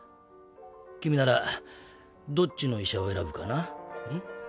君ならどっちの医者を選ぶかな？